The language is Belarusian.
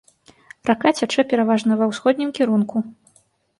Рака цячэ пераважна ва ўсходнім кірунку.